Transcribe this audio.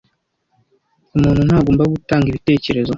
Umuntu ntagomba gutanga ibitekerezo.